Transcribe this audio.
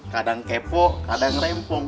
kadang kepo kadang rempong